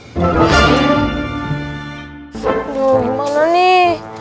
aduh gimana nih